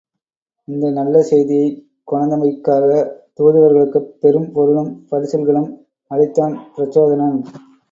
இந்த நல்ல செய்தியைக் கொணர்ந்தமைக்காகத் தூதுவர்களுக்குப் பெரும் பொருளும் பரிசில்களும் அளித்தான் பிரச்சோதனன்.